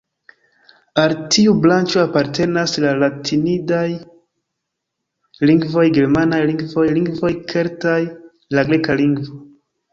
Al tiu branĉo apartenas la latinidaj lingvoj, ĝermanaj lingvoj, lingvoj keltaj, la greka lingvo.